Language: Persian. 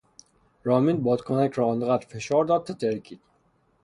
رامین بادکنک را آنقدر فشار داد تا ترکید.